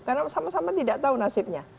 karena sama sama tidak tahu nasibnya